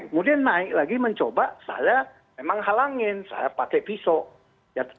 kemudian naik lagi mencoba saya memang halangin saya pakai pisau